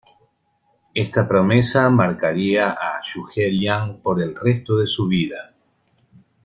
Esta promesa, marcaría a Zhuge Liang por el resto de su vida.